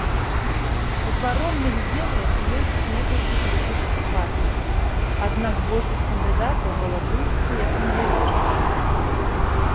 У каронных землях ёсць некалькі палітычных партый, аднак большасць кандыдатаў балатуюцца як незалежныя.